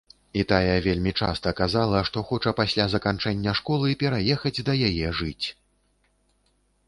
І тая вельмі часта казала, што хоча пасля заканчэння школы пераехаць да яе жыць.